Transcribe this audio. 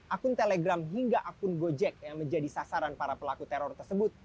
akun telegram hingga akun gojek yang menjadi sasaran para pelaku teror tersebut